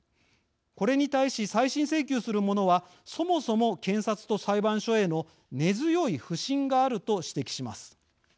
これに対し再審請求する者はそもそも検察と裁判所への根強い不信があると指摘します。